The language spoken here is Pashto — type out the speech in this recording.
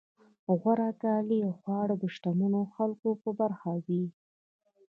غوره کالي او خواړه د شتمنو خلکو په برخه وي.